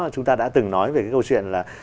chúng ta đã từng nói về cái câu chuyện là